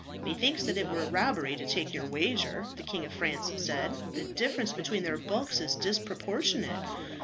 "Methinks that it were robbery to take your wager," the King of France said. "The difference between their bulk is disproportionate.